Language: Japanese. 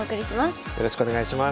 よろしくお願いします。